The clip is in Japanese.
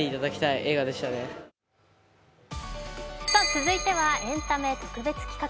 続いてはエンタメ特別企画。